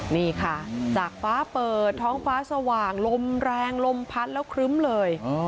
นี่ค่ะจากฟ้าเปิดท้องฟ้าสว่างลมแรงลมพัดแล้วครึ้มเลย